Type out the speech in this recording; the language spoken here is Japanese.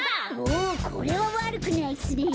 おおこれはわるくないっすね。